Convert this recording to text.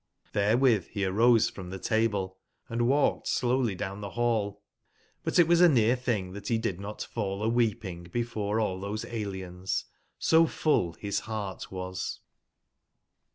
tlhere with he arose from the table, & walked slowly down the hall ; but it was a near thing that he did not fall a weeping before all those aliens, so full his heart was.